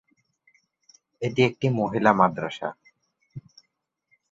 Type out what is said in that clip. এটি একটি মহিলা মাদ্রাসা।